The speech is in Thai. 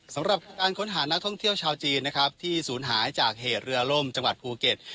สำหรับการค้นหานักท่องเที่ยวชาวจีนนะครับที่ศูนย์หายจากเหตุเรือล่มจังหวัดภูเก็ต